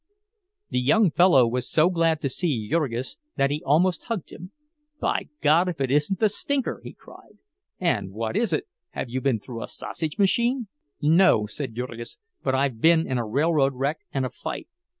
The young fellow was so glad to see Jurgis that he almost hugged him. "By God, if it isn't 'the Stinker'!" he cried. "And what is it—have you been through a sausage machine?" "No," said Jurgis, "but I've been in a railroad wreck and a fight."